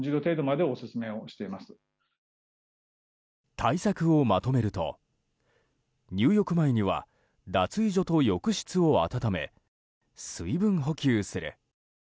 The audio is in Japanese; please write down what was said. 対策をまとめると入浴前には脱衣所と浴室を温め水分補給する。